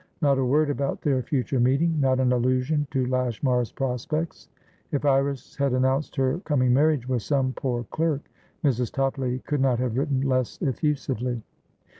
Not a word about their future meeting; not an allusion to Lashmar's prospects. If Iris had announced her coming marriage with some poor clerk, Mrs. Toplady could not have written less effusively.